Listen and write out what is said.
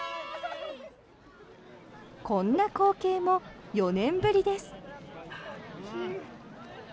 こんな光景も４年ぶりです。